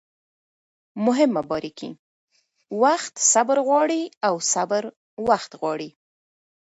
مهمه باریکي: وخت صبر غواړي او صبر وخت غواړي